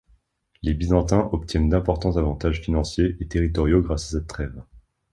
Les Byzantins obtiennent d'importants avantages financiers et territoriaux grâce à cette trêve.